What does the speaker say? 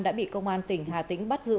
đã bị công an tỉnh hà tĩnh bắt giữ